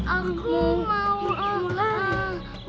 aku mau lari